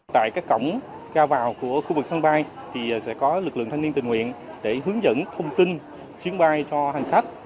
tại các cổng ga vào của khu vực sân bay thì sẽ có lực lượng thanh niên tình nguyện để hướng dẫn thông tin chuyến bay cho hành khách